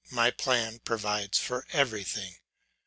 My plan provides for everything.